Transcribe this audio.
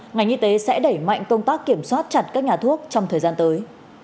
ngành y tế sẽ đẩy mạnh công tác kiểm soát chặt các nhà thuốc trong thời gian tới